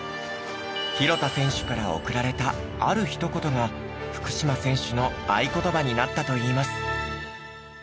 廣田選手から送られたある一言が福島選手の愛ことばになったといいます。